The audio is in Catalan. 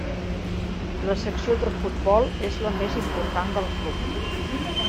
La secció de futbol és la més important del club.